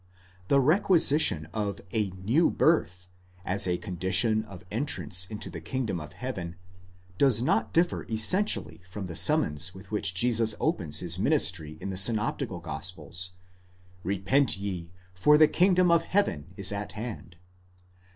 The requisition of a new dirth (γεννηθῆναι ἄνωθεν), as a condition of entrance into the kingdom of heaven, does not differ essentially from the summons with which Jesus opens his ministry in the synoptical gospels, Repent ye, for the kingdom of heaven is at hand.